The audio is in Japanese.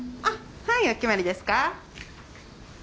あっはいお決まりですか？